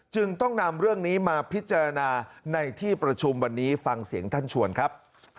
จึงต้องนำเรื่องนี้มาพิจารณาในที่ประชุมวันนี้ฟังเสียงท่านชวนครับ